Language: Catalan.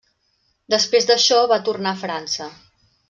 Després d'això va tornar a França.